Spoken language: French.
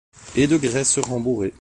Et de graisse rembourré